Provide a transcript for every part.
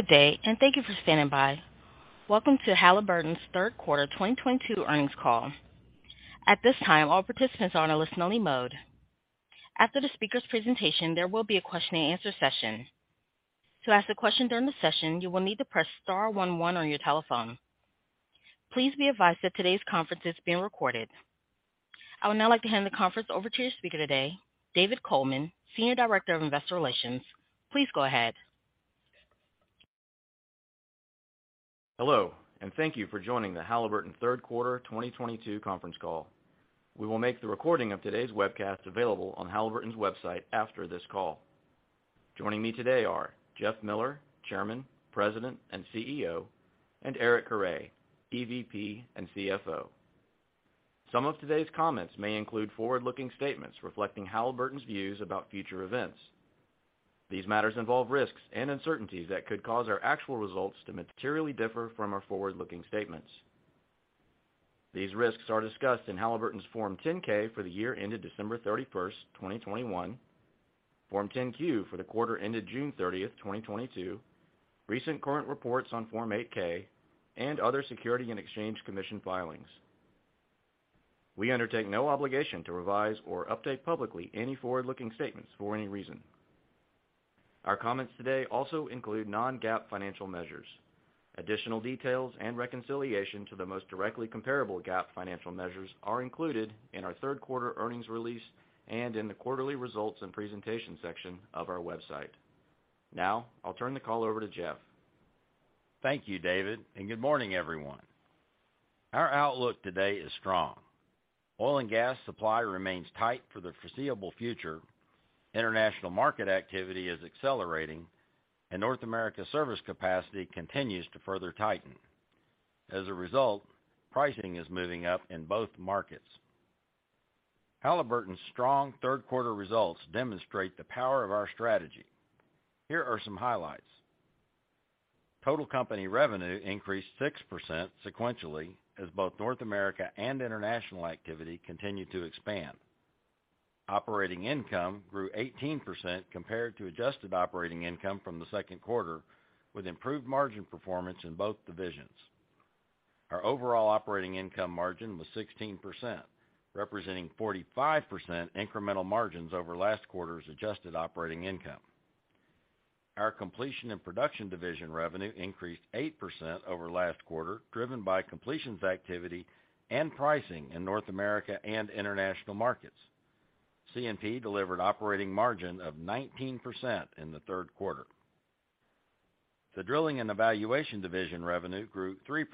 Good day, and thank you for standing by. Welcome to Halliburton's Third Quarter 2022 earnings call. At this time, all participants are on a listen-only mode. After the speaker's presentation, there will be a question-and-answer session. To ask a question during the session, you will need to press star one one on your telephone. Please be advised that today's conference is being recorded. I would now like to hand the conference over to your speaker today, David Coleman, Senior Director of Investor Relations. Please go ahead. Hello, and thank you for joining the Halliburton third quarter 2022 conference call. We will make the recording of today's webcast available on Halliburton's website after this call. Joining me today are Jeff Miller, Chairman, President, and CEO, and Eric Carre, EVP and CFO. Some of today's comments may include forward-looking statements reflecting Halliburton's views about future events. These matters involve risks and uncertainties that could cause our actual results to materially differ from our forward-looking statements. These risks are discussed in Halliburton's Form 10-K for the year ended December 31st, 2021, Form 10-Q for the quarter ended June 30th, 2022, recent current reports on Form 8-K, and other Securities and Exchange Commission filings. We undertake no obligation to revise or update publicly any forward-looking statements for any reason. Our comments today also include non-GAAP financial measures. Additional details and reconciliation to the most directly comparable GAAP financial measures are included in our third quarter earnings release and in the quarterly results and presentation section of our website. Now, I'll turn the call over to Jeff. Thank you, David, and good morning, everyone. Our outlook today is strong. Oil and gas supply remains tight for the foreseeable future, international market activity is accelerating, and North America service capacity continues to further tighten. As a result, pricing is moving up in both markets. Halliburton's strong third quarter results demonstrate the power of our strategy. Here are some highlights. Total company revenue increased 6% sequentially as both North America and international activity continued to expand. Operating income grew 18% compared to adjusted operating income from the second quarter, with improved margin performance in both divisions. Our overall operating income margin was 16%, representing 45% incremental margins over last quarter's adjusted operating income. Our Completion and Production division revenue increased 8% over last quarter, driven by completions activity and pricing in North America and international markets. C&P delivered operating margin of 19% in the third quarter. The Drilling and Evaluation division revenue grew 3%.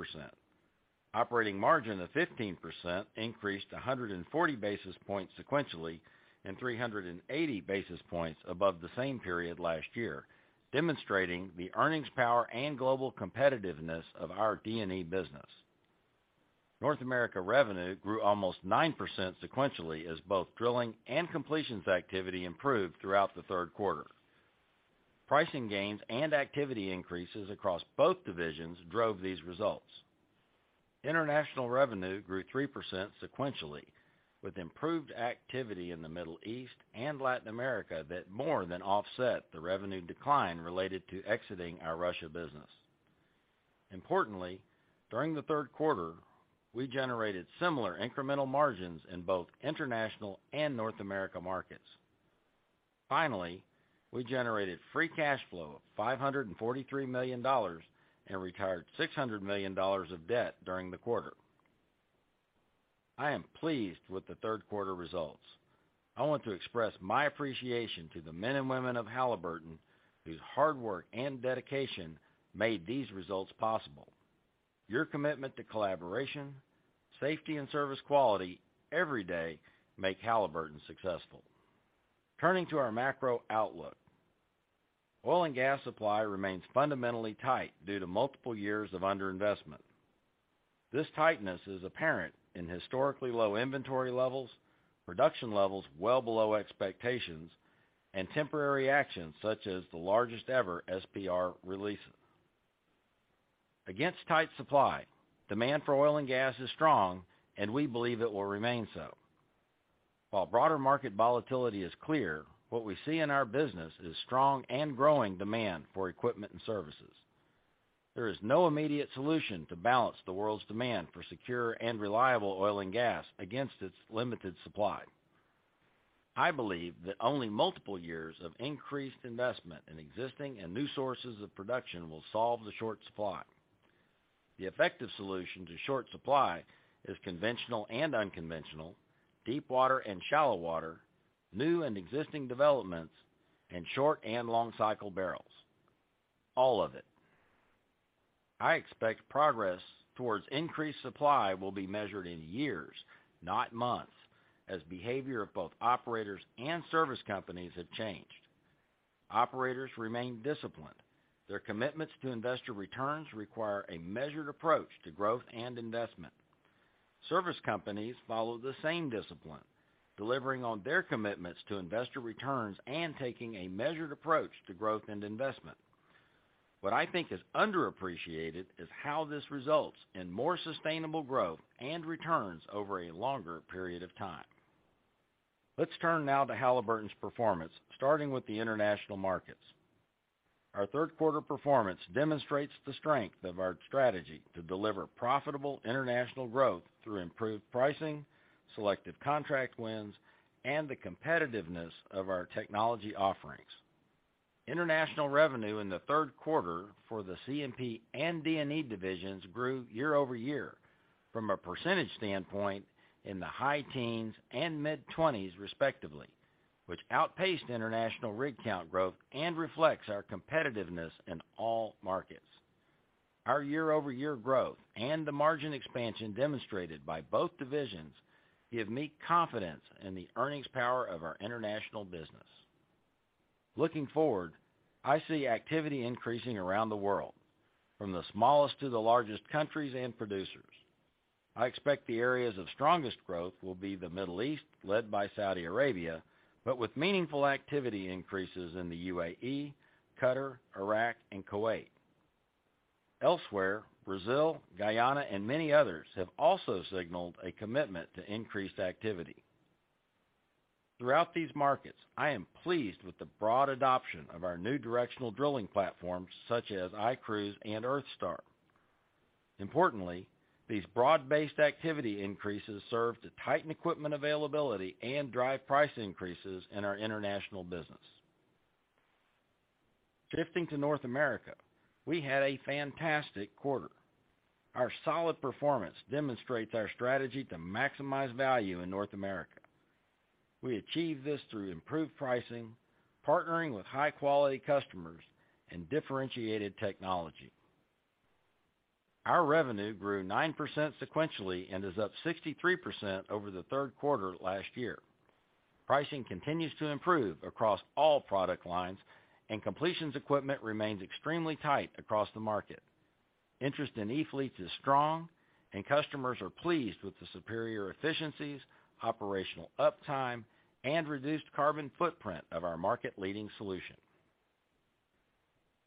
Operating margin of 15% increased 140 basis points sequentially and 380 basis points above the same period last year, demonstrating the earnings power and global competitiveness of our D&E business. North America revenue grew almost 9% sequentially as both drilling and completions activity improved throughout the third quarter. Pricing gains and activity increases across both divisions drove these results. International revenue grew 3% sequentially, with improved activity in the Middle East and Latin America that more than offset the revenue decline related to exiting our Russia business. Importantly, during the third quarter, we generated similar incremental margins in both international and North America markets. Finally, we generated free cash flow of $543 million and retired $600 million of debt during the quarter. I am pleased with the third quarter results. I want to express my appreciation to the men and women of Halliburton whose hard work and dedication made these results possible. Your commitment to collaboration, safety, and service quality every day make Halliburton successful. Turning to our macro outlook. Oil and gas supply remains fundamentally tight due to multiple years of underinvestment. This tightness is apparent in historically low inventory levels, production levels well below expectations, and temporary actions such as the largest ever SPR releases. Against tight supply, demand for oil and gas is strong, and we believe it will remain so. While broader market volatility is clear, what we see in our business is strong and growing demand for equipment and services. There is no immediate solution to balance the world's demand for secure and reliable oil and gas against its limited supply. I believe that only multiple years of increased investment in existing and new sources of production will solve the short supply. The effective solution to short supply is conventional and unconventional, deepwater and shallow water, new and existing developments, and short and long cycle barrels. All of it. I expect progress towards increased supply will be measured in years, not months, as behavior of both operators and service companies have changed. Operators remain disciplined. Their commitments to investor returns require a measured approach to growth and investment. Service companies follow the same discipline, delivering on their commitments to investor returns and taking a measured approach to growth and investment. What I think is underappreciated is how this results in more sustainable growth and returns over a longer period of time. Let's turn now to Halliburton's performance, starting with the international markets. Our third quarter performance demonstrates the strength of our strategy to deliver profitable international growth through improved pricing, selective contract wins, and the competitiveness of our technology offerings. International revenue in the third quarter for the C&P and D&E divisions grew year-over-year from a percentage standpoint in the high teens% and mid-twenties% respectively, which outpaced international rig count growth and reflects our competitiveness in all markets. Our year-over-year growth and the margin expansion demonstrated by both divisions give me confidence in the earnings power of our international business. Looking forward, I see activity increasing around the world from the smallest to the largest countries and producers. I expect the areas of strongest growth will be the Middle East, led by Saudi Arabia, but with meaningful activity increases in the UAE, Qatar, Iraq, and Kuwait. Elsewhere, Brazil, Guyana, and many others have also signaled a commitment to increased activity. Throughout these markets, I am pleased with the broad adoption of our new directional drilling platforms such as iCruise and EarthStar. Importantly, these broad-based activity increases serve to tighten equipment availability and drive price increases in our international business. Shifting to North America, we had a fantastic quarter. Our solid performance demonstrates our strategy to maximize value in North America. We achieve this through improved pricing, partnering with high-quality customers and differentiated technology. Our revenue grew 9% sequentially and is up 63% over the third quarter last year. Pricing continues to improve across all product lines, and completions equipment remains extremely tight across the market. Interest in e-fleet is strong and customers are pleased with the superior efficiencies, operational uptime and reduced carbon footprint of our market-leading solution.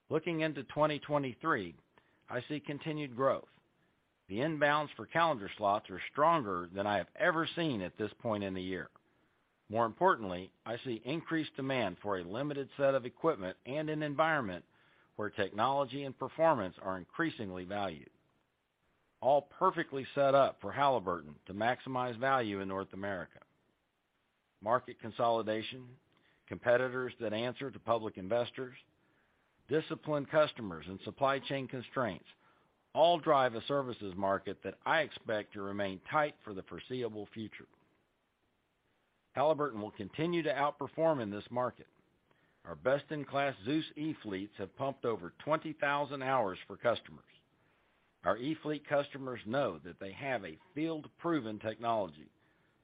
Looking into 2023, I see continued growth. The inbounds for calendar slots are stronger than I have ever seen at this point in the year. More importantly, I see increased demand for a limited set of equipment and an environment where technology and performance are increasingly valued. All perfectly set up for Halliburton to maximize value in North America. Market consolidation, competitors that answer to public investors, disciplined customers and supply chain constraints all drive a services market that I expect to remain tight for the foreseeable future. Halliburton will continue to outperform in this market. Our best-in-class Zeus e-fleets have pumped over 20,000 hours for customers. Our e-fleet customers know that they have a field-proven technology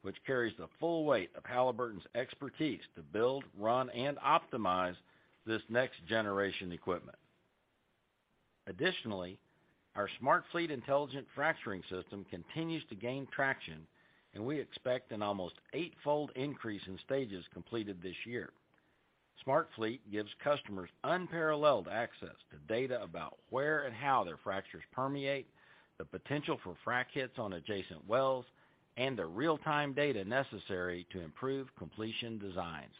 which carries the full weight of Halliburton's expertise to build, run and optimize this next generation equipment. Additionally, our SmartFleet intelligent fracturing system continues to gain traction, and we expect an almost eight-fold increase in stages completed this year. SmartFleet gives customers unparalleled access to data about where and how their fractures permeate, the potential for frac hits on adjacent wells, and the real-time data necessary to improve completion designs.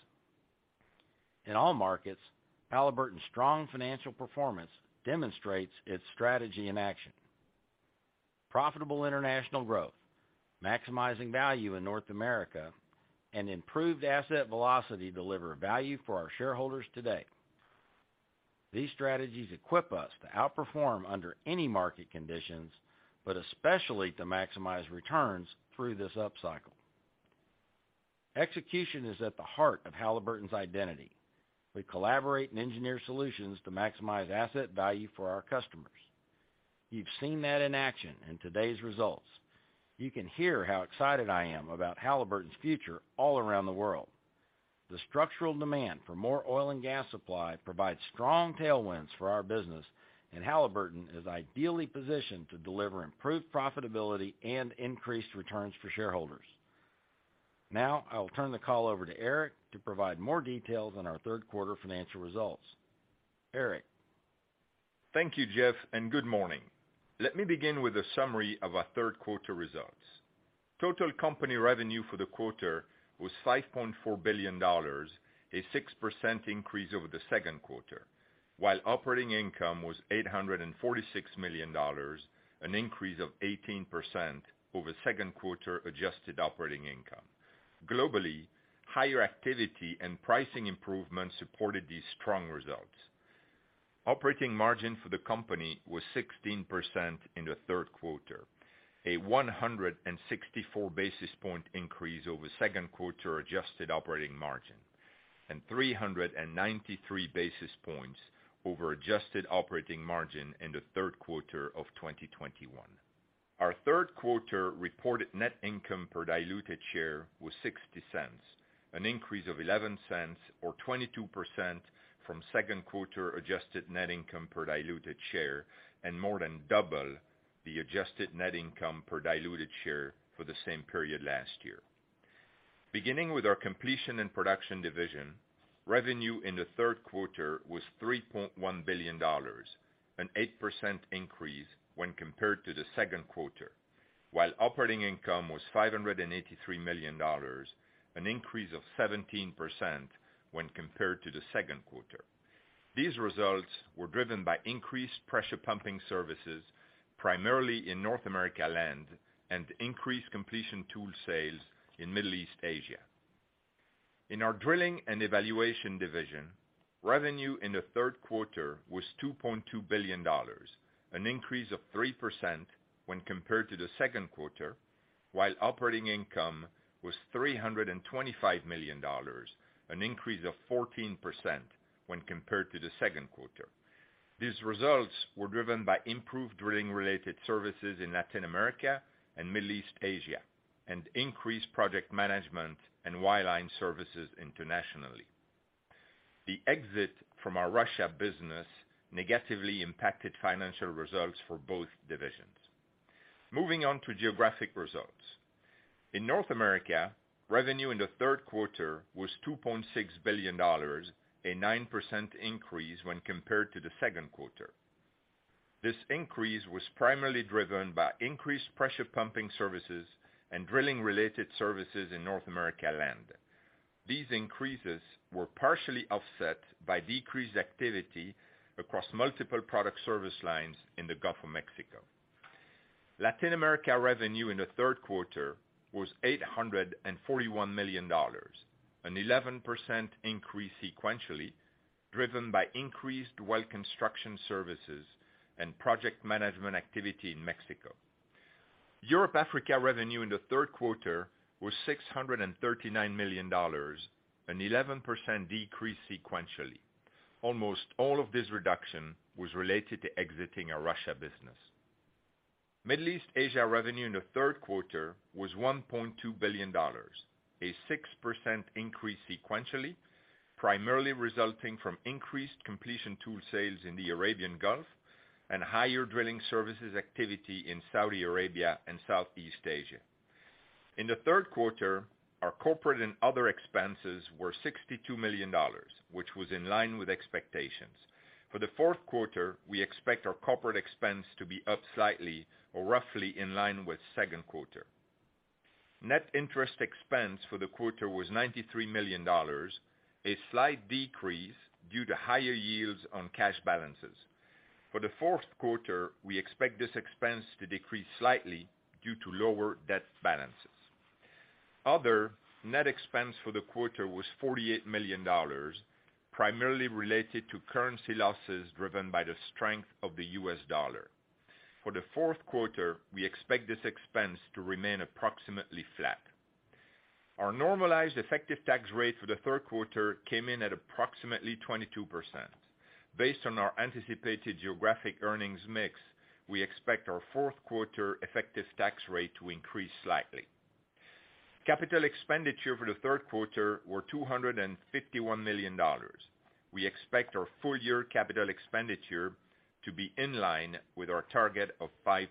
In all markets, Halliburton's strong financial performance demonstrates its strategy in action. Profitable international growth, maximizing value in North America and improved asset velocity deliver value for our shareholders today. These strategies equip us to outperform under any market conditions, but especially to maximize returns through this upcycle. Execution is at the heart of Halliburton's identity. We collaborate and engineer solutions to maximize asset value for our customers. You've seen that in action in today's results. You can hear how excited I am about Halliburton's future all around the world. The structural demand for more oil and gas supply provides strong tailwinds for our business, and Halliburton is ideally positioned to deliver improved profitability and increased returns for shareholders. Now I will turn the call over to Eric to provide more details on our third quarter financial results. Eric? Thank you, Jeff, and good morning. Let me begin with a summary of our third quarter results. Total company revenue for the quarter was $5.4 billion, a 6% increase over the second quarter, while operating income was $846 million, an 18% increase over second quarter adjusted operating income. Globally, higher activity and pricing improvements supported these strong results. Operating margin for the company was 16% in the third quarter, a 164 basis point increase over second quarter adjusted operating margin, and 393 basis points over adjusted operating margin in the third quarter of 2021. Our third quarter reported net income per diluted share was $0.60, an increase of $0.11 or 22% from second quarter adjusted net income per diluted share, and more than double the adjusted net income per diluted share for the same period last year. Beginning with our Completion and Production division, revenue in the third quarter was $3.1 billion, an 8% increase when compared to the second quarter, while operating income was $583 million, an increase of 17% when compared to the second quarter. These results were driven by increased pressure pumping services, primarily in North America land and increased completion tool sales in Middle East/Asia. In our Drilling and Evaluation division, revenue in the third quarter was $2.2 billion, an increase of 3% when compared to the second quarter, while operating income was $325 million, an increase of 14% when compared to the second quarter. These results were driven by improved drilling-related services in Latin America and Middle East/Asia, and increased project management and wireline services internationally. The exit from our Russia business negatively impacted financial results for both divisions. Moving on to geographic results. In North America, revenue in the third quarter was $2.6 billion, a 9% increase when compared to the second quarter. This increase was primarily driven by increased pressure pumping services and drilling-related services in North America Land. These increases were partially offset by decreased activity across multiple product service lines in the Gulf of Mexico. Latin America revenue in the third quarter was $841 million, an 11% increase sequentially, driven by increased well construction services and project management activity in Mexico. Europe, Africa revenue in the third quarter was $639 million, an 11% decrease sequentially. Almost all of this reduction was related to exiting our Russia business. Middle East, Asia revenue in the third quarter was $1.2 billion, a 6% increase sequentially, primarily resulting from increased completion tool sales in the Arabian Gulf and higher drilling services activity in Saudi Arabia and Southeast Asia. In the third quarter, our corporate and other expenses were $62 million, which was in line with expectations. For the fourth quarter, we expect our corporate expense to be up slightly or roughly in line with second quarter. Net interest expense for the quarter was $93 million, a slight decrease due to higher yields on cash balances. For the fourth quarter, we expect this expense to decrease slightly due to lower debt balances. Other net expense for the quarter was $48 million, primarily related to currency losses driven by the strength of the US dollar. For the fourth quarter, we expect this expense to remain approximately flat. Our normalized effective tax rate for the third quarter came in at approximately 22%. Based on our anticipated geographic earnings mix, we expect our fourth quarter effective tax rate to increase slightly. Capital expenditure for the third quarter were $251 million. We expect our full year capital expenditure to be in line with our target of 5%-6%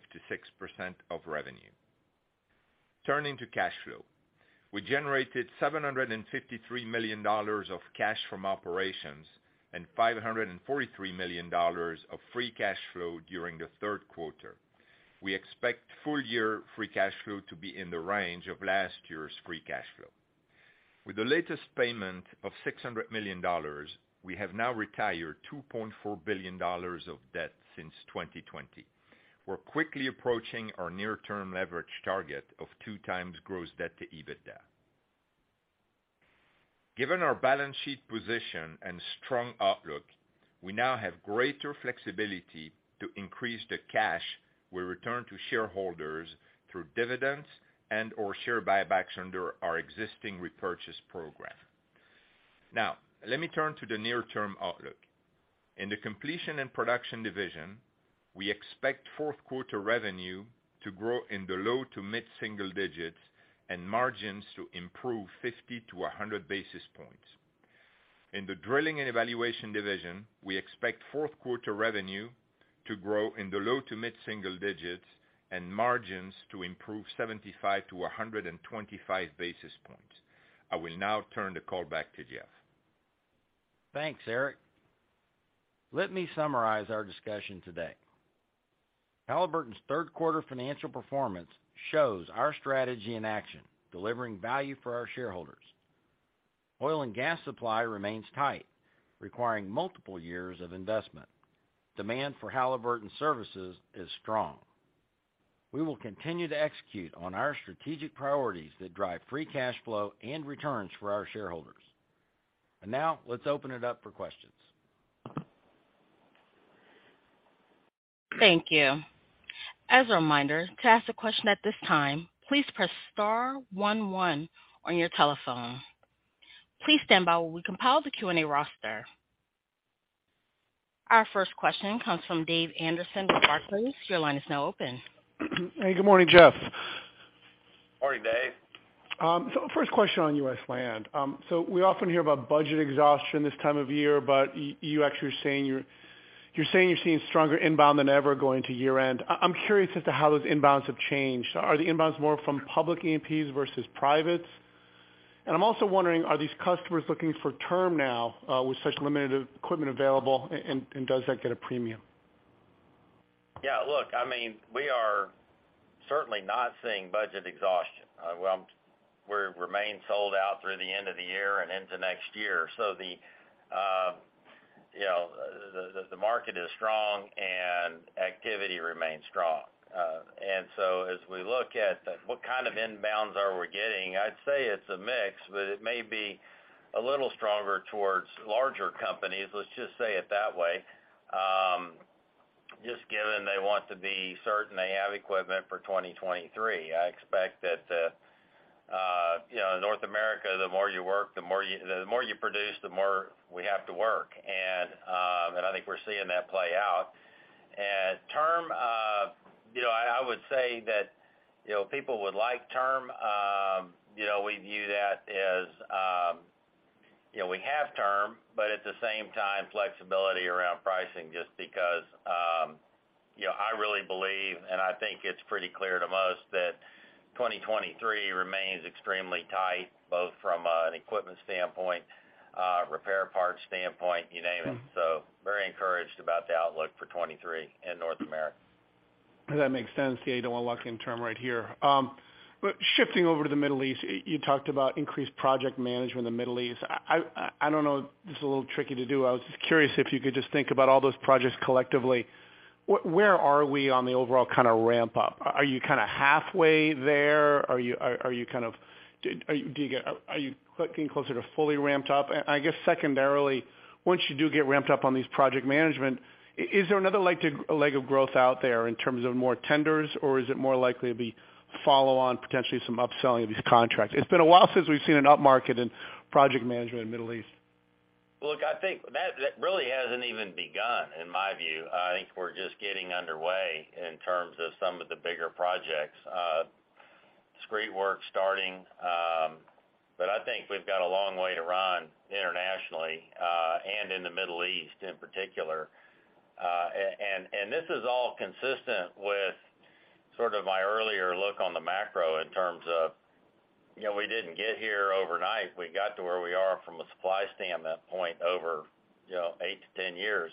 of revenue. Turning to cash flow. We generated $753 million of cash from operations, and $543 million of free cash flow during the third quarter. We expect full year free cash flow to be in the range of last year's free cash flow. With the latest payment of $600 million, we have now retired $2.4 billion of debt since 2020. We're quickly approaching our near-term leverage target of 2x gross debt to EBITDA. Given our balance sheet position and strong outlook, we now have greater flexibility to increase the cash we return to shareholders through dividends and/or share buybacks under our existing repurchase program. Now, let me turn to the near-term outlook. In the Completion and Production division, we expect fourth quarter revenue to grow in the low- to mid-single-digit% and margins to improve 50-100 basis points. In the Drilling and Evaluation division, we expect fourth quarter revenue to grow in the low- to mid-single digits and margins to improve 75-125 basis points. I will now turn the call back to Jeff. Thanks, Eric. Let me summarize our discussion today. Halliburton's third quarter financial performance shows our strategy in action, delivering value for our shareholders. Oil and gas supply remains tight, requiring multiple years of investment. Demand for Halliburton services is strong. We will continue to execute on our strategic priorities that drive free cash flow and returns for our shareholders. Now let's open it up for questions. Thank you. As a reminder, to ask a question at this time, please press star one one on your telephone. Please stand by while we compile the Q&A roster. Our first question comes from Dave Anderson with Barclays. Your line is now open. Hey, good morning, Jeff. Morning, Dave. First question on U.S. Land. We often hear about budget exhaustion this time of year, but you actually are saying you're seeing stronger inbound than ever going to year-end. I'm curious as to how those inbounds have changed. Are the inbounds more from public E&Ps versus privates? And I'm also wondering, are these customers looking for term now, with such limited equipment available and does that get a premium? Yeah, look, I mean, we are certainly not seeing budget exhaustion. Well, we remain sold out through the end of the year and into next year. The market is strong and activity remains strong. As we look at what kind of inbounds are we getting, I'd say it's a mix, but it may be a little stronger towards larger companies, let's just say it that way, just given they want to be certain they have equipment for 2023. I expect that, North America, the more you produce, the more we have to work. I think we're seeing that play out. Term. I would say that, you know, people would like term. You know, we view that as, you know, we have term, but at the same time, flexibility around pricing just because, you know, I really believe, and I think it's pretty clear to most that 2023 remains extremely tight, both from, an equipment standpoint, repair parts standpoint, you name it. Very encouraged about the outlook for 2023 in North America. That makes sense. Yeah, you don't want lock-in term right here. Shifting over to the Middle East, you talked about increased project management in the Middle East. I don't know, this is a little tricky to do. I was just curious if you could just think about all those projects collectively. Where are we on the overall kind of ramp up? Are you kind of halfway there? Are you getting closer to fully ramped up? I guess secondarily, once you do get ramped up on these project management, is there another leg of growth out there in terms of more tenders, or is it more likely to be follow on potentially some upselling of these contracts? It's been a while since we've seen an upmarket in project management in Middle East. Look, I think that really hasn't even begun, in my view. I think we're just getting underway in terms of some of the bigger projects. Discrete work starting, but I think we've got a long way to run internationally, and in the Middle East in particular. This is all consistent with sort of my earlier look on the macro in terms of, you know, we didn't get here overnight. We got to where we are from a supply standpoint over, you know, eight to 10 years.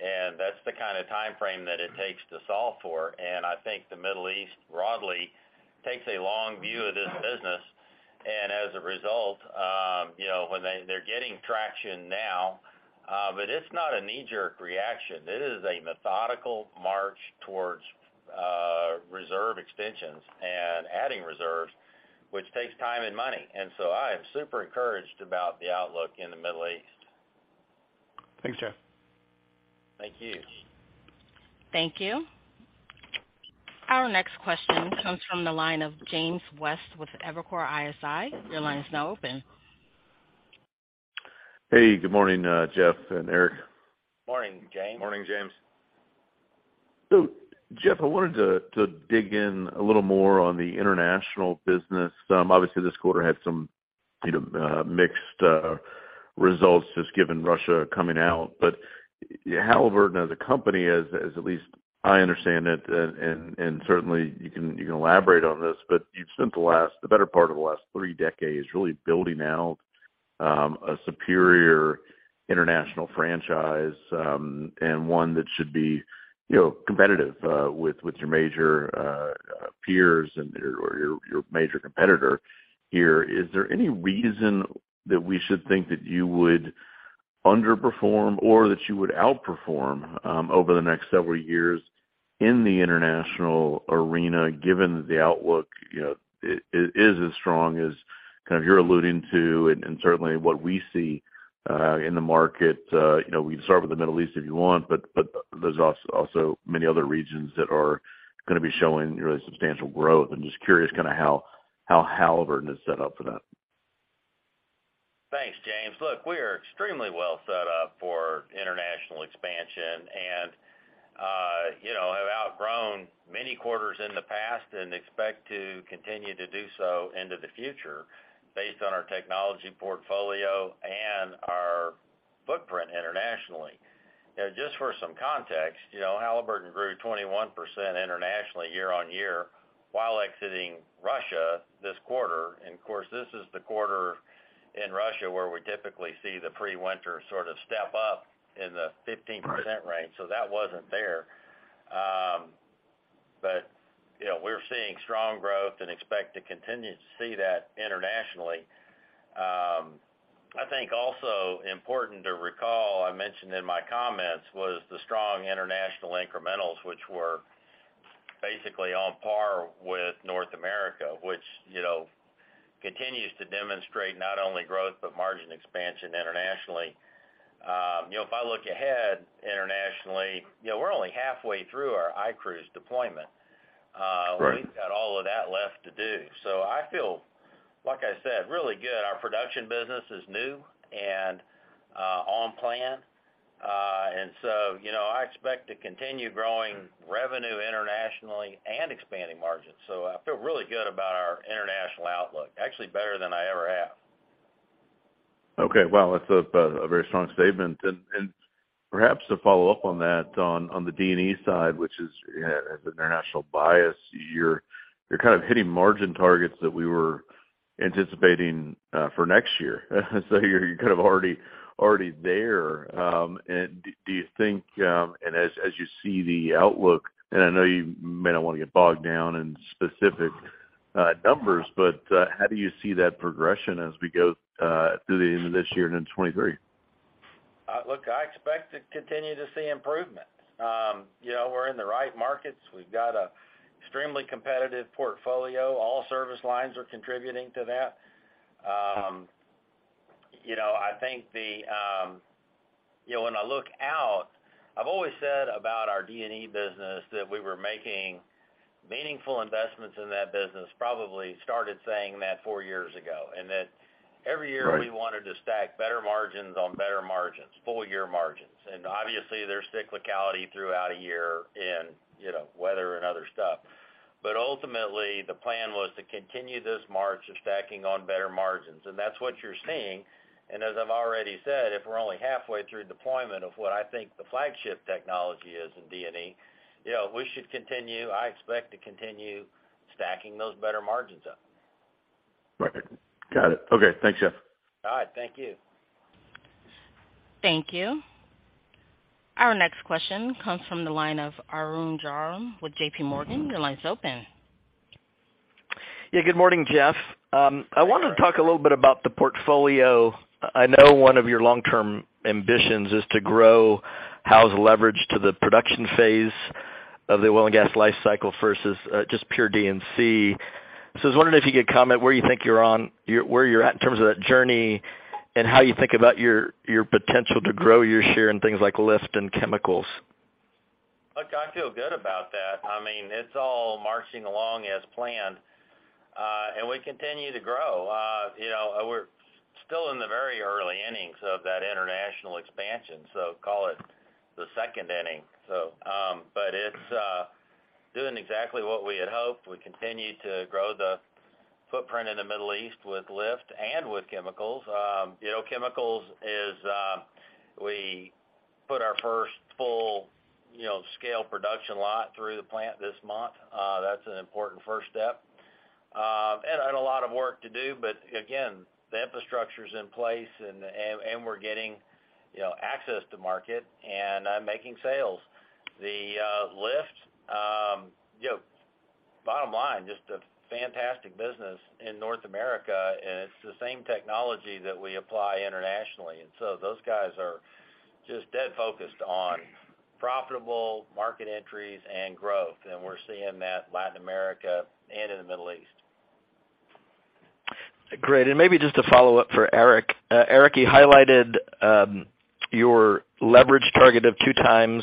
That's the kind of timeframe that it takes to solve for. I think the Middle East broadly takes a long view of this business. As a result, you know, when they're getting traction now, but it's not a knee-jerk reaction. It is a methodical march towards reserve extensions and adding reserves, which takes time and money. I am super encouraged about the outlook in the Middle East. Thanks, Jeff. Thank you. Thank you. Our next question comes from the line of James West with Evercore ISI. Your line is now open. Hey, good morning, Jeff and Eric. Morning, James. Morning, James. Jeff, I wanted to dig in a little more on the international business. Obviously, this quarter had some, you know, mixed results just given Russia coming out. Halliburton as a company, as at least I understand it, and certainly you can elaborate on this, but you've spent the better part of the last three decades really building out a superior international franchise, and one that should be, you know, competitive with your major peers or your major competitor here. Is there any reason that we should think that you would underperform or that you would outperform over the next several years in the international arena, given the outlook, you know, is as strong as kind of you're alluding to and certainly what we see in the market? You know, we can start with the Middle East if you want, but there's also many other regions that are gonna be showing really substantial growth. I'm just curious kind of how Halliburton is set up for that. Thanks, James. Look, we are extremely well set up for international expansion and, you know, have outgrown many quarters in the past and expect to continue to do so into the future based on our technology portfolio and our footprint internationally. You know, just for some context, you know, Halliburton grew 21% internationally year-on-year while exiting Russia this quarter. Of course, this is the quarter in Russia where we typically see the pre-winter sort of step up in the 15% range. That wasn't there. We're seeing strong growth and expect to continue to see that internationally. I think also important to recall, I mentioned in my comments, was the strong international incrementals, which were basically on par with North America, which, you know, continues to demonstrate not only growth, but margin expansion internationally. You know, if I look ahead internationally, you know, we're only halfway through our iCruise deployment. Right. We've got all of that left to do. I feel, like I said, really good. Our production business is new and on plan. You know, I expect to continue growing revenue internationally and expanding margins. I feel really good about our international outlook, actually better than I ever have. Okay. Wow, that's a very strong statement. Perhaps to follow up on that, on the D&E side, which has international bias, you're kind of hitting margin targets that we were anticipating for next year. You're kind of already there. Do you think, and as you see the outlook, and I know you may not wanna get bogged down in specific numbers, but how do you see that progression as we go through the end of this year and in 2023? Look, I expect to continue to see improvement. You know, we're in the right markets. We've got an extremely competitive portfolio. All service lines are contributing to that. You know, I think the, when I look out, I've always said about our D&E business that we were making meaningful investments in that business, probably started saying that four years ago, and that every year. Right We wanted to stack better margins on better margins, full year margins. Obviously, there's cyclicality throughout a year in, you know, weather and other stuff. Ultimately, the plan was to continue this march of stacking on better margins, and that's what you're seeing. As I've already said, if we're only halfway through deployment of what I think the flagship technology is in D&E, you know, we should continue. I expect to continue stacking those better margins up. Right. Got it. Okay. Thanks, Jeff. All right, thank you. Thank you. Our next question comes from the line of Arun Jayaram with JPMorgan. Your line's open. Good morning, Jeff. I wanted to talk a little bit about the portfolio. I know one of your long-term ambitions is to grow our leverage to the production phase of the oil and gas life cycle versus just pure D&C. I was wondering if you could comment on where you think you're at in terms of that journey and how you think about your potential to grow your share in things like lift and chemicals. Look, I feel good about that. I mean, it's all marching along as planned, and we continue to grow. You know, we're still in the very early innings of that international expansion, so call it the second inning. It's doing exactly what we had hoped. We continue to grow the footprint in the Middle East with lift and with chemicals. You know, chemicals is, we put our first full, you know, scale production lot through the plant this month. That's an important first step. A lot of work to do, but again, the infrastructure's in place and we're getting, you know, access to market and I'm making sales. The lift, you know, bottom line, just a fantastic business in North America, and it's the same technology that we apply internationally. Those guys are just dead focused on profitable market entries and growth, and we're seeing that in Latin America and in the Middle East. Great. Maybe just a follow-up for Eric. Eric, you highlighted your leverage target of 2x.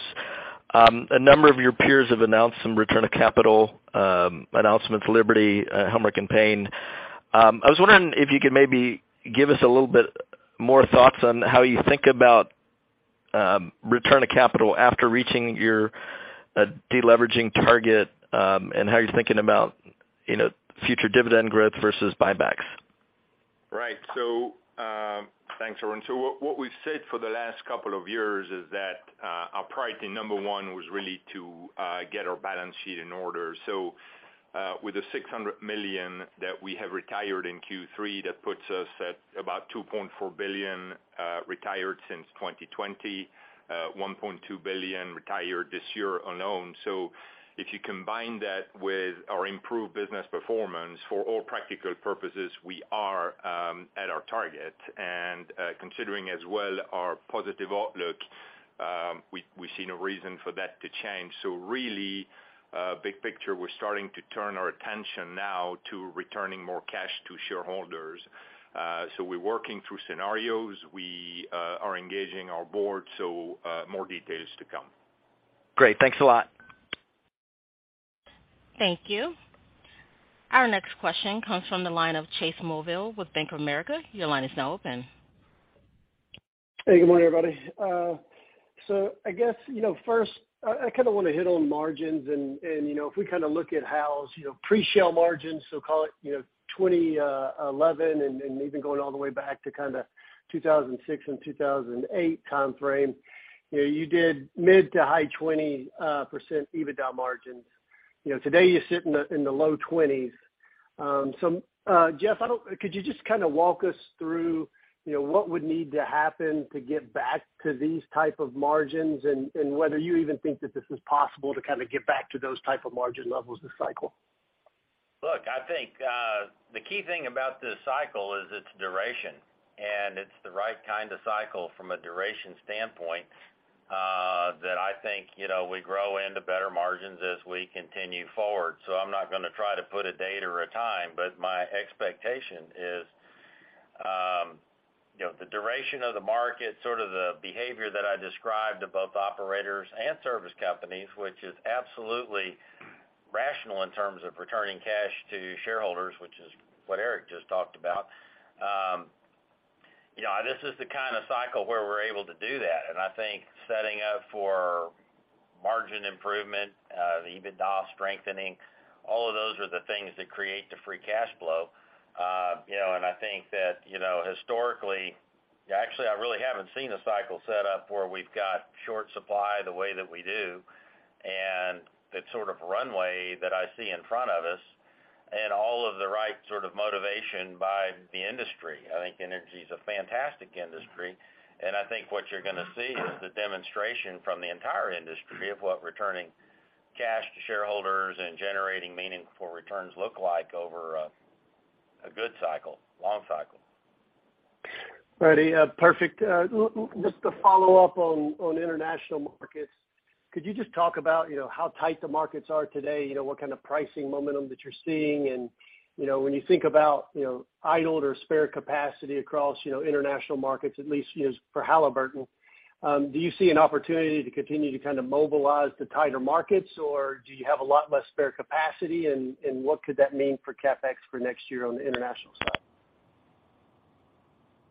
A number of your peers have announced some return of capital announcements, Liberty, Helmerich & Payne. I was wondering if you could maybe give us a little bit more thoughts on how you think about return of capital after reaching your deleveraging target, and how you're thinking about, you know, future dividend growth versus buybacks. Right. Thanks, Arun. What we've said for the last couple of years is that our priority number one was really to get our balance sheet in order. With the $600 million that we have retired in Q3, that puts us at about $2.4 billion retired since 2020. $1.2 billion retired this year alone. If you combine that with our improved business performance, for all practical purposes, we are at our target. Considering as well our positive outlook, we see no reason for that to change. Really, big picture, we're starting to turn our attention now to returning more cash to shareholders. We're working through scenarios. We are engaging our board, so more details to come. Great. Thanks a lot. Thank you. Our next question comes from the line of Chase Mulvehill with Bank of America. Your line is now open. Hey, good morning, everybody. I guess, you know, first I kinda wanna hit on margins and, you know, if we kinda look at how the pre-shale margins, so call it, you know, 2011 and even going all the way back to kinda 2006 and 2008 timeframe, you know, you did mid-to-high-20% EBITDA margins. You know, today you sit in the low-20%. Jeff, could you just kinda walk us through, you know, what would need to happen to get back to these type of margins, and whether you even think that this is possible to kinda get back to those type of margin levels this cycle? Look, I think, the key thing about this cycle is its duration, and it's the right kind of cycle from a duration standpoint, that I think, you know, we grow into better margins as we continue forward. I'm not gonna try to put a date or a time, but my expectation is, you know, the duration of the market, sort of the behavior that I described of both operators and service companies, which is absolutely rational in terms of returning cash to shareholders, which is what Eric just talked about. You know, this is the kinda cycle where we're able to do that. I think setting up for margin improvement, the EBITDA strengthening, all of those are the things that create the free cash flow. You know, I think that, you know, actually, I really haven't seen a cycle set up where we've got short supply the way that we do, and the sort of runway that I see in front of us and all of the right sort of motivation by the industry. I think energy is a fantastic industry, and I think what you're gonna see is the demonstration from the entire industry of what returning cash to shareholders and generating meaningful returns look like over a good cycle, long cycle. Ready. Perfect. Just to follow up on international markets. Could you just talk about, you know, how tight the markets are today? You know, what kind of pricing momentum that you're seeing? And, you know, when you think about, you know, idled or spare capacity across, you know, international markets, at least, you know, for Halliburton, do you see an opportunity to continue to kind of mobilize the tighter markets, or do you have a lot less spare capacity? And what could that mean for CapEx for next year on the international side?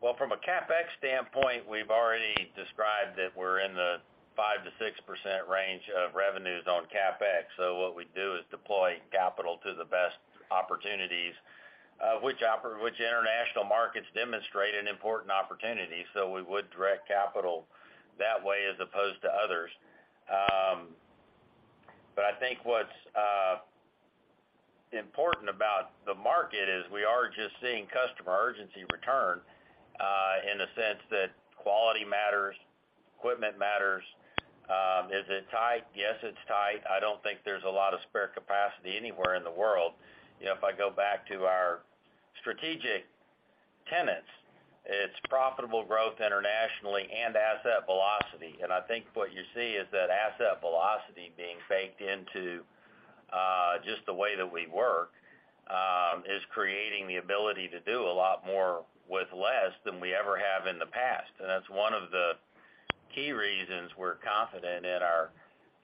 Well, from a CapEx standpoint, we've already described that we're in the 5%-6% range of revenues on CapEx. What we do is deploy capital to the best opportunities, which international markets demonstrate an important opportunity. We would direct capital that way as opposed to others. I think what's important about the market is we are just seeing customer urgency return, in the sense that quality matters, equipment matters. Is it tight? Yes, it's tight. I don't think there's a lot of spare capacity anywhere in the world. You know, if I go back to our strategic tenets, it's profitable growth internationally and asset velocity. I think what you see is that asset velocity being baked into, just the way that we work, is creating the ability to do a lot more with less than we ever have in the past. That's one of the key reasons we're confident in our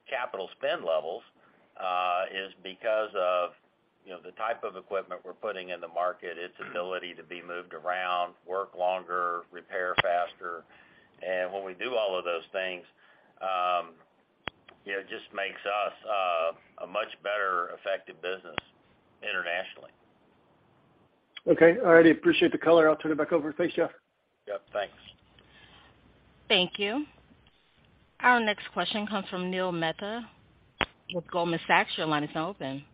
capital spend levels, is because of, you know, the type of equipment we're putting in the market, its ability to be moved around, work longer, repair faster. When we do all of those things, it just makes us, a much better effective business internationally. Okay. All right. Appreciate the color. I'll turn it back over. Thanks, Jeff. Yep. Thanks. Thank you. Our next question comes from Neil Mehta with Goldman Sachs. Your line is open.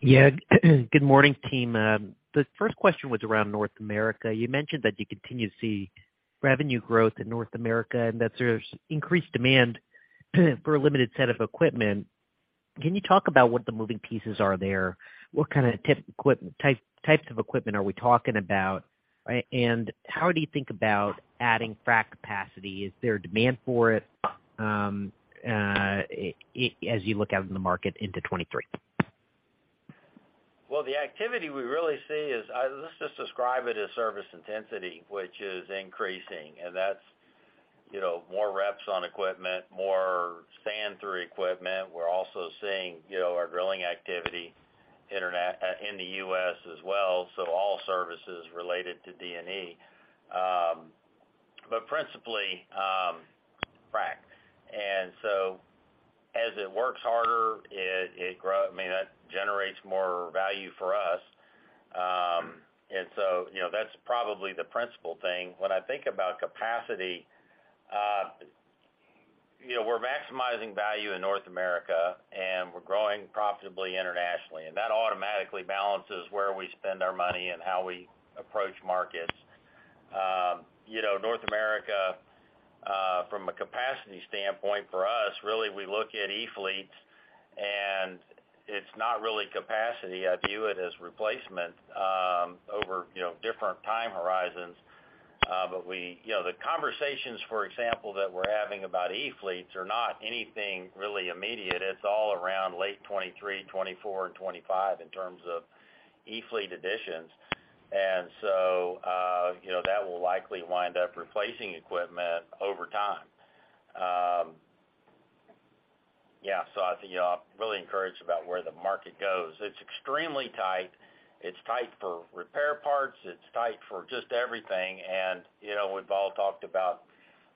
Yeah. Good morning, team. The first question was around North America. You mentioned that you continue to see revenue growth in North America, and that there's increased demand for a limited set of equipment. Can you talk about what the moving pieces are there? What kind of types of equipment are we talking about? And how do you think about adding frac capacity? Is there demand for it as you look out in the market into 2023? The activity we really see is service intensity, which is increasing. That's, you know, more reps on equipment, more sand through equipment. We're also seeing, you know, our drilling activity in the U.S. as well, so all services related to D&E. Principally, frac. As it works harder, I mean, that generates more value for us. You know, that's probably the principal thing. When I think about capacity, you know, we're maximizing value in North America, and we're growing profitably internationally, and that automatically balances where we spend our money and how we approach markets. You know, North America, from a capacity standpoint for us, really, we look at e-fleets, and it's not really capacity. I view it as replacement, over, you know, different time horizons. You know, the conversations, for example, that we're having about e-fleet are not anything really immediate. It's all around late 2023, 2024, and 2025 in terms of e-fleet additions. You know, that will likely wind up replacing equipment over time. I think, you know, I'm really encouraged about where the market goes. It's extremely tight. It's tight for repair parts. It's tight for just everything. You know, we've all talked about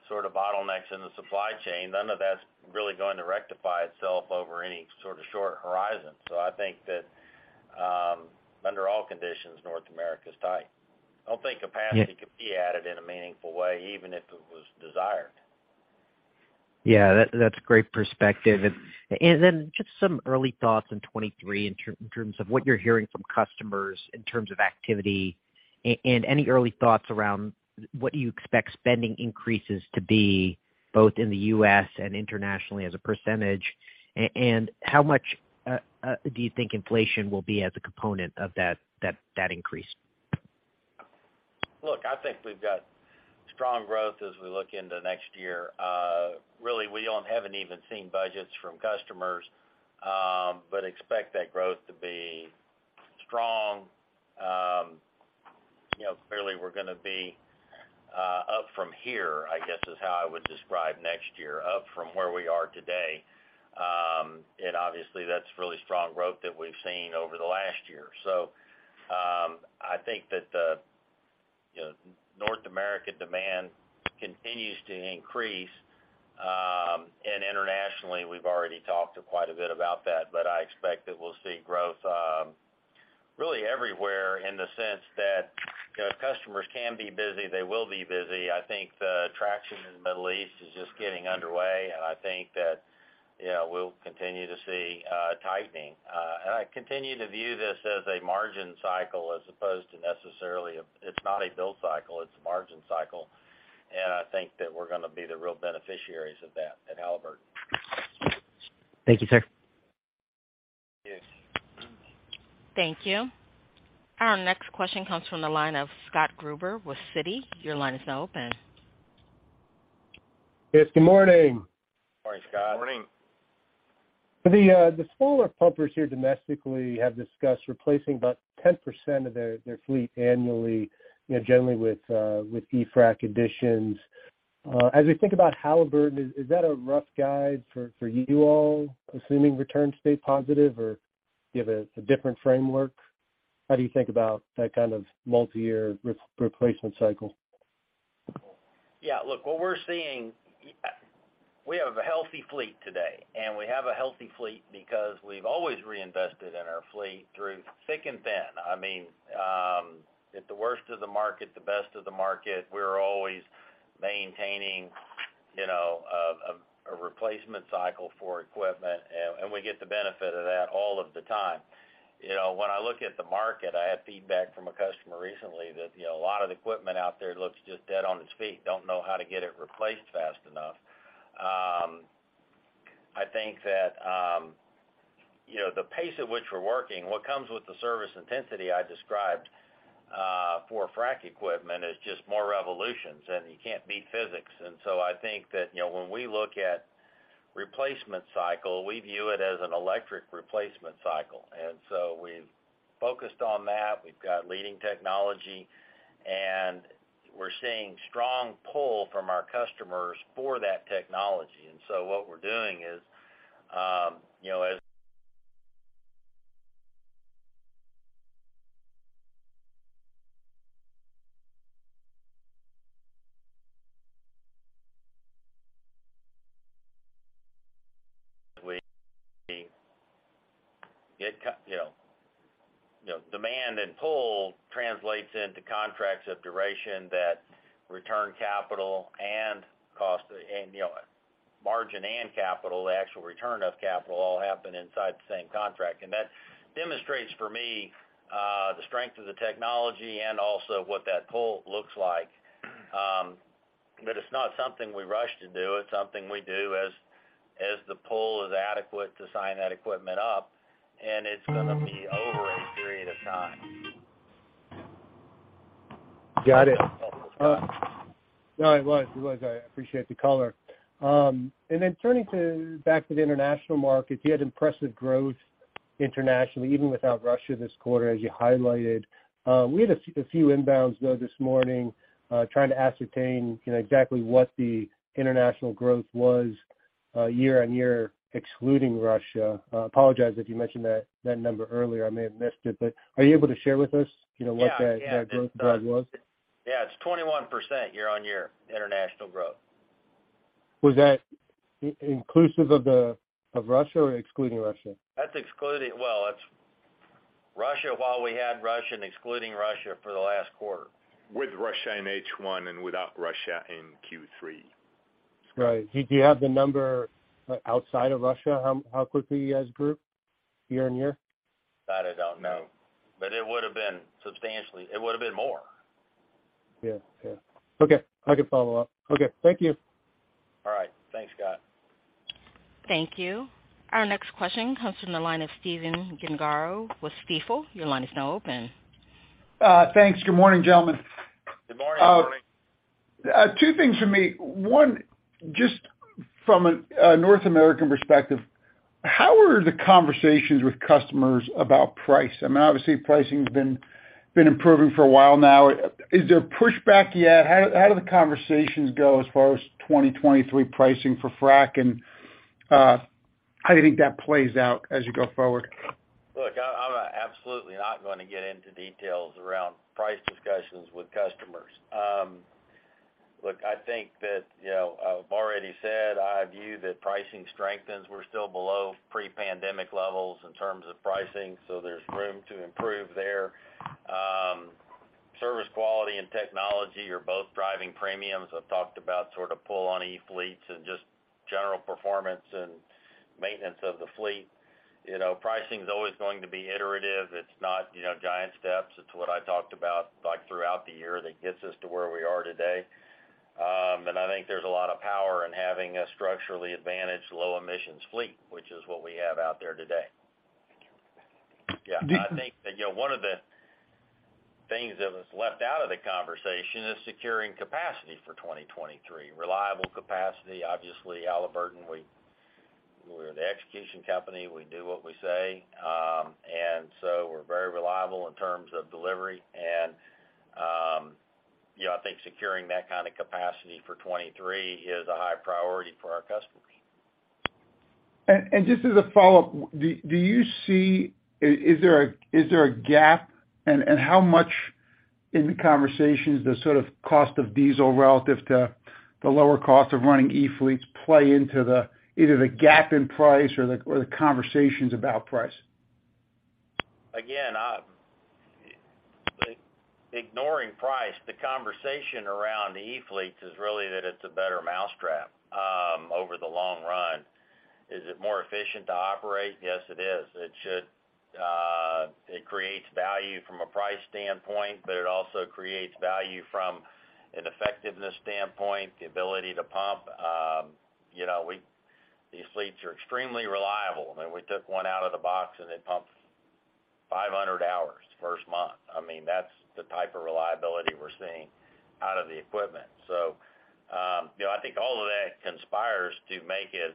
sort of bottlenecks in the supply chain. None of that's really going to rectify itself over any sort of short horizon. I think that, under all conditions, North America is tight. I don't think capacity could be added in a meaningful way, even if it was desired. Yeah, that's a great perspective. Then just some early thoughts in 2023 in terms of what you're hearing from customers in terms of activity, and any early thoughts around what do you expect spending increases to be both in the U.S. and internationally as a percentage, and how much do you think inflation will be as a component of that increase? Look, I think we've got strong growth as we look into next year. Really, we haven't even seen budgets from customers, but expect that growth to be strong. You know, clearly, we're gonna be up from here, I guess is how I would describe next year, up from where we are today. Obviously, that's really strong growth that we've seen over the last year. I think that the, you know, North America demand continues to increase, and internationally, we've already talked quite a bit about that, but I expect that we'll see growth, really everywhere in the sense that, you know, customers can be busy, they will be busy. I think the traction in the Middle East is just getting underway, and I think that, you know, we'll continue to see tightening. I continue to view this as a margin cycle as opposed to necessarily. It's not a build cycle, it's a margin cycle. I think that we're gonna be the real beneficiaries of that at Halliburton. Thank you, sir. Yes. Thank you. Our next question comes from the line of Scott Gruber with Citi. Your line is now open. Yes, good morning. Morning, Scott. Morning. The smaller pumpers here domestically have discussed replacing about 10% of their fleet annually, you know, generally with e-frac additions. As we think about Halliburton, is that a rough guide for you all assuming returns stay positive or do you have a different framework? How do you think about that kind of multiyear replacement cycle? Yeah. Look, what we're seeing, we have a healthy fleet today, and we have a healthy fleet because we've always reinvested in our fleet through thick and thin. I mean, at the worst of the market, the best of the market, we're always maintaining, you know, a replacement cycle for equipment, and we get the benefit of that all of the time. You know, when I look at the market, I had feedback from a customer recently that, you know, a lot of equipment out there looks just dead on its feet, don't know how to get it replaced fast enough. I think that, you know, the pace at which we're working, what comes with the service intensity I described for frac equipment is just more revolutions, and you can't beat physics. I think that, you know, when we look at replacement cycle, we view it as an electric replacement cycle. We've focused on that. We've got leading technology, and we're seeing strong pull from our customers for that technology. What we're doing is, you know, demand and pull translates into contracts of duration that return capital and cost, and, you know, margin and capital, the actual return of capital all happen inside the same contract. That demonstrates for me, the strength of the technology and also what that pull looks like. It's not something we rush to do. It's something we do as the pull is adequate to sign that equipment up, and it's gonna be over a period of time. Got it. No, it was. I appreciate the color. Turning back to the international markets, you had impressive growth internationally, even without Russia this quarter, as you highlighted. We had a few inbounds though this morning, trying to ascertain, you know, exactly what the international growth was, year-over-year, excluding Russia. I apologize if you mentioned that number earlier. I may have missed it. Are you able to share with us, you know, what that Yeah. That growth guide was? Yeah. It's 21% year-on-year international growth. Was that inclusive of Russia or excluding Russia? Well, it's Russia while we had Russia and excluding Russia for the last quarter. With Russia in H1 and without Russia in Q3. Right. Do you have the number outside of Russia, how quickly you guys grew year on year? That I don't know. It would have been substantially. It would have been more. Yeah. Okay. I can follow up. Thank you. All right. Thanks, Scott. Thank you. Our next question comes from the line of Stephen Gengaro with Stifel. Your line is now open. Thanks. Good morning, gentlemen. Good morning. Morning. Two things for me. One, just from a North American perspective, how are the conversations with customers about price? I mean, obviously, pricing's been improving for a while now. Is there pushback yet? How do the conversations go as far as 2023 pricing for frac? How do you think that plays out as you go forward? Look, I'm absolutely not gonna get into details around price discussions with customers. Look, I think that, you know, I've already said I view that pricing strengthens. We're still below pre-pandemic levels in terms of pricing, so there's room to improve there. Service quality and technology are both driving premiums. I've talked about sort of pull on e-fleets and just general performance and maintenance of the fleet. You know, pricing's always going to be iterative. It's not, you know, giant steps. It's what I talked about, like, throughout the year that gets us to where we are today. I think there's a lot of power in having a structurally advantaged low emissions fleet, which is what we have out there today. Thank you. Yeah. I think that, you know, one of the things that was left out of the conversation is securing capacity for 2023, reliable capacity. Obviously, Halliburton, we're the execution company. We do what we say. We're very reliable in terms of delivery. You know, I think securing that kind of capacity for 2023 is a high priority for our customers. Just as a follow-up, is there a gap and how much in the conversations, the sort of cost of diesel relative to the lower cost of running e-fleets play into either the gap in price or the conversations about price? Again, ignoring price, the conversation around the e-fleets is really that it's a better mousetrap over the long run. Is it more efficient to operate? Yes, it is. It should, it creates value from a price standpoint, but it also creates value from an effectiveness standpoint, the ability to pump. You know, these fleets are extremely reliable. I mean, we took one out of the box and it pumped 500 hours first month. I mean, that's the type of reliability we're seeing out of the equipment. You know, I think all of that conspires to make it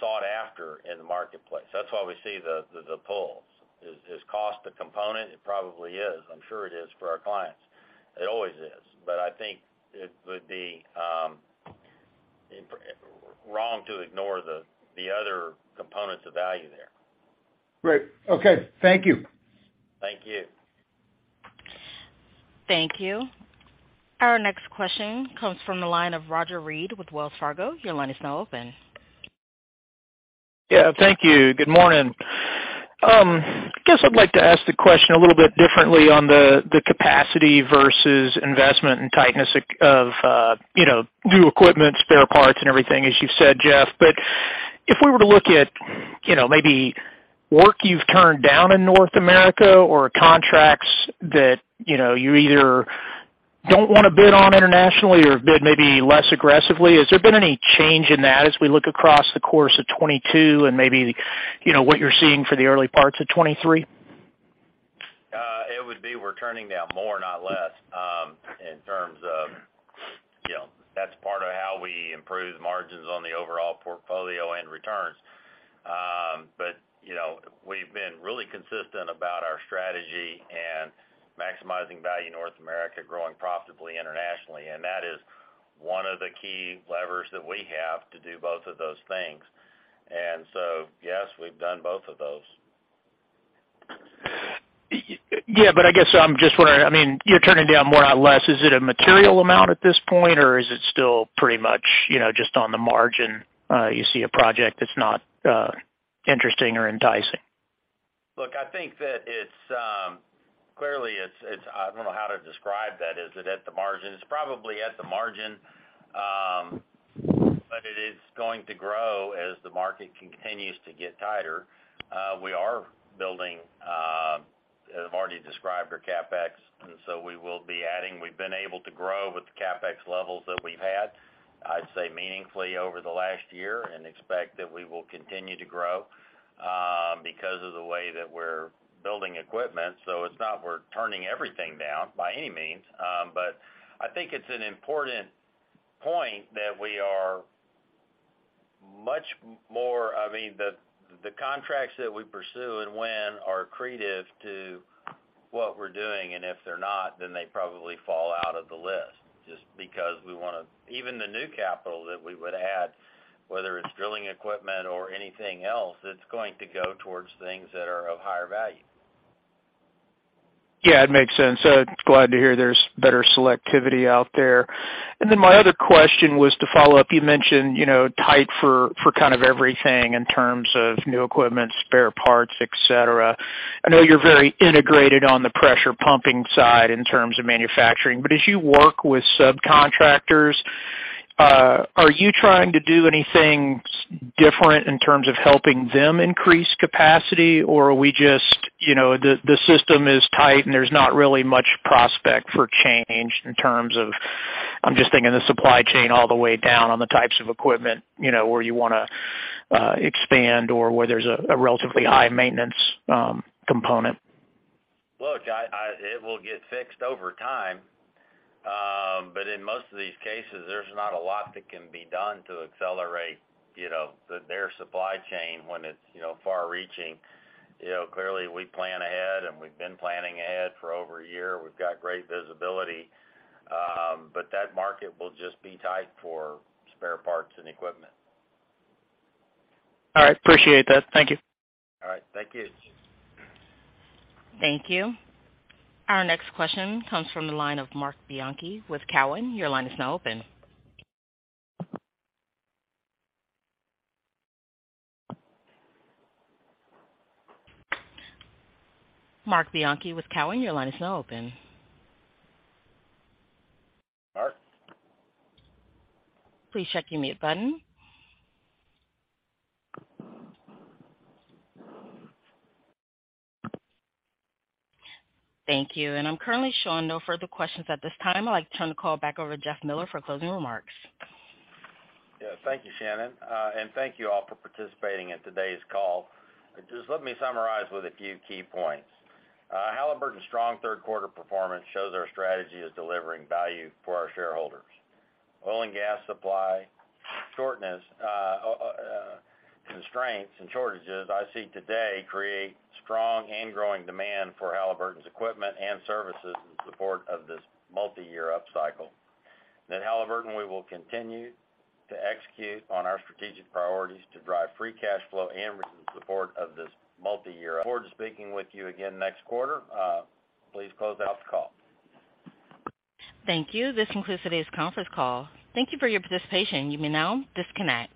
sought after in the marketplace. That's why we see the pulls. Is cost a component? It probably is. I'm sure it is for our clients. It always is. I think it would be wrong to ignore the other components of value there. Great. Okay. Thank you. Thank you. Thank you. Our next question comes from the line of Roger Read with Wells Fargo. Your line is now open. Yeah, thank you. Good morning. I guess I'd like to ask the question a little bit differently on the capacity versus investment and tightness of you know new equipment, spare parts and everything, as you've said, Jeff. If we were to look at, you know, maybe work you've turned down in North America or contracts that, you know, you either don't wanna bid on internationally or bid maybe less aggressively, has there been any change in that as we look across the course of 2022 and maybe, you know, what you're seeing for the early parts of 2023? It would be we're turning down more, not less, in terms of, you know, that's part of how we improve margins on the overall portfolio and returns. You know, we've been really consistent about our strategy and maximizing value in North America, growing profitably internationally. That is one of the key levers that we have to do both of those things. Yes, we've done both of those. Yeah, I guess I'm just wondering, I mean, you're turning down more, not less. Is it a material amount at this point, or is it still pretty much, you know, just on the margin, you see a project that's not interesting or enticing? Look, I think that it's clearly it. I don't know how to describe that. Is it at the margin? It's probably at the margin. It is going to grow as the market continues to get tighter. We are building, as I've already described, our CapEx, and so we will be adding. We've been able to grow with the CapEx levels that we've had, I'd say meaningfully over the last year, and expect that we will continue to grow because of the way that we're building equipment. It's not we're turning everything down by any means. I think it's an important point that we are much more. I mean, the contracts that we pursue and win are accretive to what we're doing, and if they're not, then they probably fall out of the list just because even the new capital that we would add, whether it's drilling equipment or anything else, it's going to go towards things that are of higher value. Yeah, it makes sense. Glad to hear there's better selectivity out there. Then my other question was to follow up. You mentioned, you know, tight for kind of everything in terms of new equipment, spare parts, et cetera. I know you're very integrated on the pressure pumping side in terms of manufacturing. As you work with subcontractors, are you trying to do anything different in terms of helping them increase capacity? Or are we just, you know, the system is tight and there's not really much prospect for change in terms of, I'm just thinking the supply chain all the way down on the types of equipment, you know, where you wanna expand or where there's a relatively high maintenance component. Look, it will get fixed over time. In most of these cases, there's not a lot that can be done to accelerate, you know, their supply chain when it's, you know, far-reaching. You know, clearly we plan ahead, and we've been planning ahead for over a year. We've got great visibility. That market will just be tight for spare parts and equipment. All right. Appreciate that. Thank you. All right. Thank you. Thank you. Our next question comes from the line of Marc Bianchi with Cowen. Your line is now open. Marc Bianchi with Cowen, your line is now open. Marc? Please check your mute button. Thank you. I'm currently showing no further questions at this time. I'd like to turn the call back over to Jeff Miller for closing remarks. Yeah. Thank you, Shannon. Thank you all for participating in today's call. Just let me summarize with a few key points. Halliburton's strong third quarter performance shows our strategy is delivering value for our shareholders. Oil and gas supply shortages, constraints and shortages I see today create strong and growing demand for Halliburton's equipment and services in support of this multi-year upcycle. At Halliburton, we will continue to execute on our strategic priorities to drive free cash flow and return support of this multi-year. Looking forward to speaking with you again next quarter. Please close out the call. Thank you. This concludes today's conference call. Thank you for your participation. You may now disconnect.